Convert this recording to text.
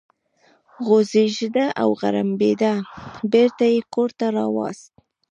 غوږېده او غړمبېده، بېرته یې کور ته راوست.